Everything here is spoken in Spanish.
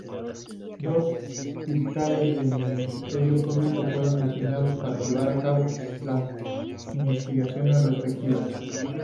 Dos fiscales del Ministerio Público fueron designados para llevar a cabo las investigaciones respectivas.